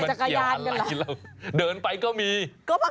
จักรยานกันเหรอเดินไปก็มีมันเกี่ยวอะไรเหรอ